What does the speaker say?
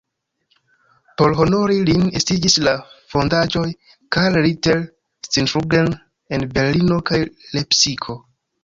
Por honori lin estiĝis la fondaĵoj "Karl Ritter-Stiftungen" en Berlino kaj Lepsiko.